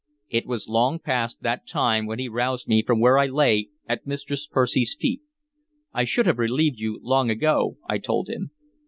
It was long past that time when he roused me from where I lay at Mistress Percy's feet. "I should have relieved you long ago," I told him.